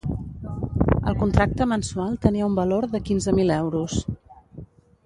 El contracte mensual tenia un valor de quinze mil euros.